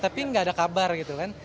tapi nggak ada kabar gitu kan